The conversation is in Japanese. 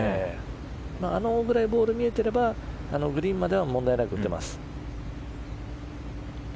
あのぐらいボールが見えていればグリーンまでは問題なく打てます。